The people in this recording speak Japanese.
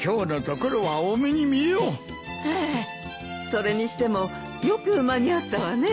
それにしてもよく間に合ったわね。